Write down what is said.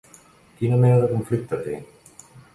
Quina mena de conflicte té?